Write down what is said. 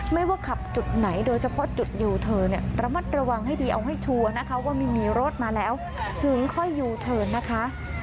ไม่ว่าขับจุดไหนโดยเฉพาะจุดยูเทิร์นเนี่ยระมัดระวังให้ดีเอาให้ชัวร์นะคะว่าไม่มีรถมาแล้วถึงค่อยยูเทิร์นนะคะ